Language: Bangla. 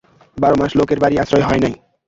বারো মাস লোকের বাড়ি আশ্রয় হয় না।